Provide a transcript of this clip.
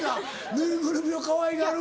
ぬいぐるみをかわいがる。